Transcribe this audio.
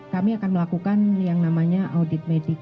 kami akan melakukan yang namanya audit medik